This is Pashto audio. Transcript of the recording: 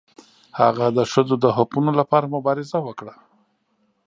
هغه د ښځو د حقونو لپاره مبارزه وکړه.